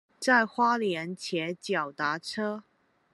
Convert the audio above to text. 去花蓮騎腳踏車